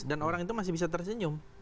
dan orang itu masih bisa tersenyum